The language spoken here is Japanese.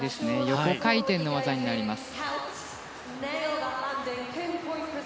横回転の技になります。